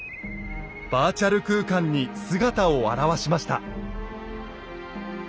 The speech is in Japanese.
バーチャル空間に姿を現しました。